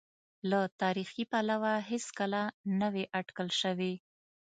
له تاریخي پلوه هېڅکله نه وې اټکل شوې.